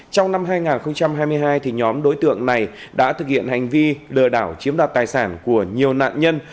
trong năm hai nghìn hai mươi hai nhóm đối tượng này đã thực hiện hành vi lừa đảo chiếm đoạt tài sản của nhiều nạn nhân